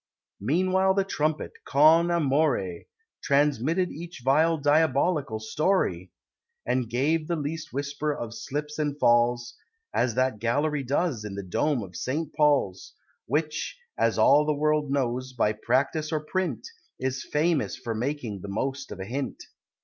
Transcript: Meanwhile the Trumpet, con amore, Transmitted each vile diabolical story; And gave the least whisper of slips and falls, As that Gallery does in the Dome of St. Paul's, Which, as all the world knows, by practice or print, Is famous for making the most of a hint.